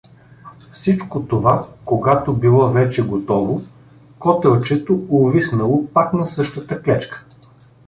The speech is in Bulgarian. Всичко това когато било вече готово, котелчето увиснало пак на същата клечка.